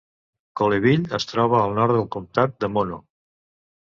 Coleville es troba al nord del comtat de Mono.